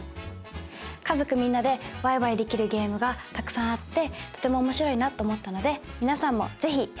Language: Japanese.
家族みんなでわいわいできるゲームがたくさんあってとても面白いなと思ったので皆さんも是非やってみて下さい。